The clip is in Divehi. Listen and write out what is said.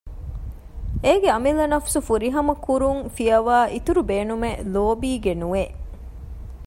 އޭގެ އަމިއްލަ ނަފުސު ފުރިހަމަކުރުން ފިޔަވައި އިތުރު ބޭނުމެއް ލޯބީގެ ނުވެ